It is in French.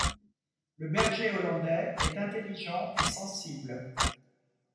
Le Berger hollandais est intelligent et sensible.